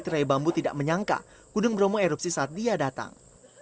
tirai bambu tidak menyangka gunung bromo erupsi saat dia datang